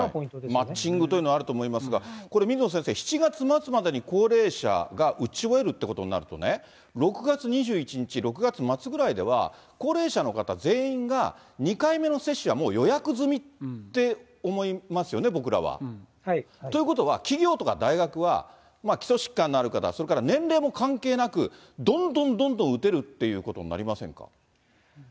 マッチングというのはあると思いますが、これ、水野先生、７月末までに高齢者が打ち終えるということになるとね、６月２１日、６月末ぐらいでは、高齢者の方全員が、２回目の接種はもう予約済みって思いますよね、僕らは。ということは、企業とか大学は、基礎疾患のある方、それから年齢も関係なく、どんどんどんどん打てるっていうことになりませんか。